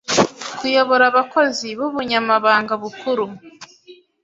kuyobora abakozi b’Ubunyamabanga Bukuru;